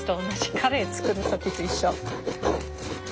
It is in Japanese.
カレー作る時と一緒。